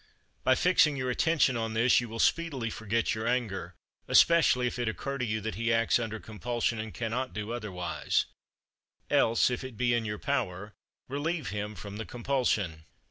By fixing your attention on this you will speedily forget your anger, especially if it occur to you that he acts under compulsion and cannot do otherwise; else, if it be in your power, relieve him from the compulsion.